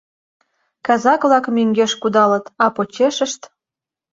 Казак-влак мӧҥгеш кудалыт, а почешышт: